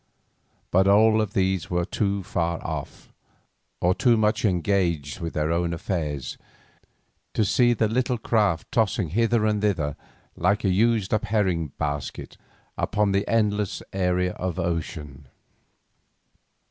But all of these were too far off, or too much engaged with their own affairs to see the little craft tossing hither and thither like a used up herring basket upon the endless area of ocean.